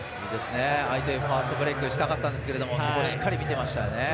相手、ファストブレイクしたかったんですがそこをしっかり見てましたね。